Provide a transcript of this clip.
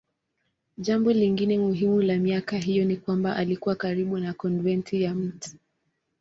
Jambo lingine muhimu la miaka hiyo ni kwamba alikuwa karibu na konventi ya Mt.